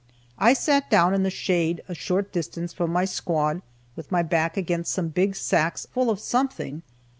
I sat down in the shade a short distance from my squad, with my back against some big sacks full of something.